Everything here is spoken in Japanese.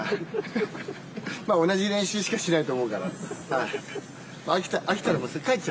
まあ同じ練習しかしないと思うから。